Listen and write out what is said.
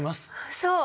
そう！